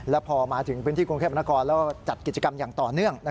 แล้วพอมาถึงพื้นที่กรุงเทพนครแล้วจัดกิจกรรมอย่างต่อเนื่อง